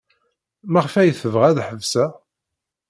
Maɣef ay tebɣa ad ḥebseɣ?